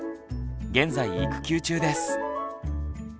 現在育休中です。